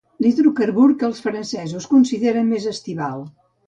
L'hidrocarbur que els francesos consideren més estival.